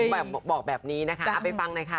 แม่บุ๋มบอกแบบนี้นะคะไปฟังหน่อยค่ะ